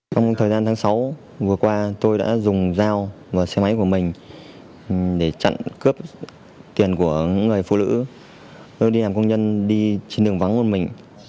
trong thời gian tháng sáu vừa qua tôi đã dùng dao vào xe máy của mình để chặn cướp tiền của người phụ nữ tôi đi làm công nhân đi trên đường vắng của mình